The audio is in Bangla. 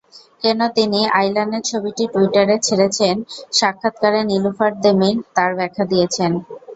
কেন তিনি আয়লানের ছবিটি টুইটারে ছেড়েছেন, সাক্ষাৎকারে নিলুফার দেমির তাঁর ব্যাখ্যা দিয়েছেন।